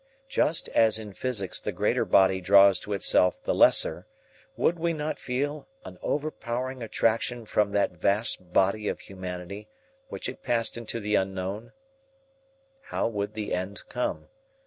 Just as in physics the greater body draws to itself the lesser, would we not feel an overpowering attraction from that vast body of humanity which had passed into the unknown? How would the end come?